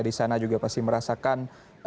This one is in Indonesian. di sana juga pasti merasakan